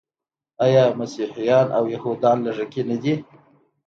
آیا مسیحیان او یهودان لږکي نه دي؟